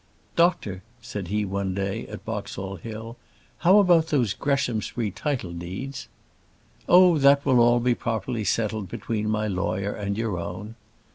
"Doctor," said he, one day, at Boxall Hill "how about those Greshamsbury title deeds?" "Oh, that will all be properly settled between my lawyer and your own."